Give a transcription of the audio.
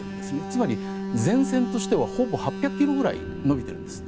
つまり、前線としてはほぼ８００ｋｍぐらい延びているんです。